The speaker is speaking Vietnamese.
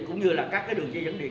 cũng như các đường dây dẫn điện